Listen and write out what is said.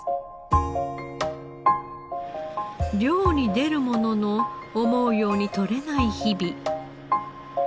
漁に出るものの思うように取れない日々。